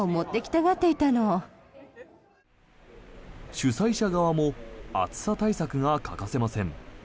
主催者側も暑さ対策が欠かせません。